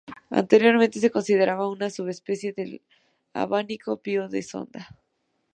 Anteriormente se consideraba una subespecie del abanico pío de la Sonda.